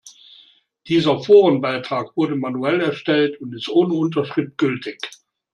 Dieser Forenbeitrag wurde manuell erstellt und ist ohne Unterschrift gültig.